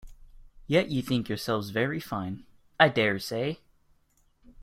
Yet you think yourselves very fine, I dare say!